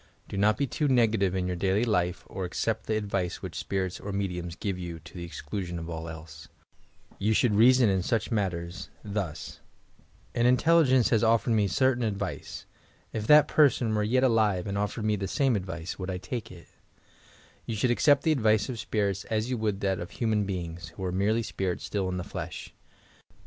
Do not be too negative in your daily life or accept the advice which spirits or mediums give you to the ei clusioD of all else. You should reason in such matters Z13 314 TOUR PSYCHIC POWERS thus: "An intelligence has offered me certain advice. If that person were yet alive and offered me the same advice, would I take itf" You should accept the advice of spirits as you wonid that of human beings, who are merely spirits still in the 6esh.